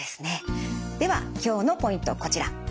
では今日のポイントこちら。